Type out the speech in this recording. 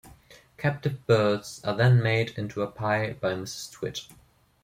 Captive birds are then made into a pie by Mrs. Twit.